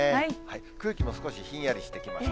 空気も少しひんやりしてきました。